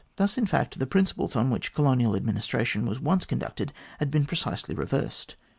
Thus, in fact, the principles on which colonial administration was once conducted had been precisely reversed.